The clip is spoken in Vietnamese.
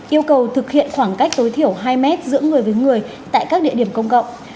yêu cầu thực hiện khoảng cách tối thiểu hai mét giữa người với người tại các địa điểm công cộng